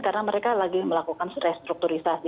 karena mereka lagi melakukan restrukturisasi